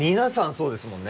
そうですもんね。